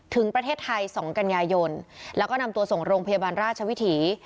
ถึงประเทศไทย๒กันยายนแล้วก็นำตัวส่งโรงพยาบาลราชวิถี